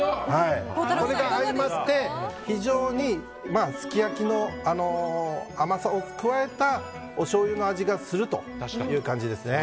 それも相まって非常にすき焼きの甘さを加えたおしょうゆの味がするという感じですね。